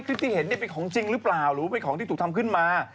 ที่เห็นเป็นของจริงหรือเปล่าหรือว่าเป็นของที่ถูกทำขึ้นมา